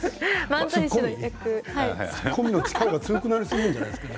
ツッコミの力が強くなりすぎるじゃないですか？